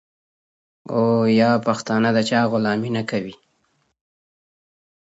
خو پښتنو هيڅکله د غلامۍ زنځير په غاړه نه کړ.